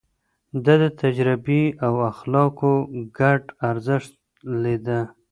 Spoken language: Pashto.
ده د تجربې او اخلاقو ګډ ارزښت ليده.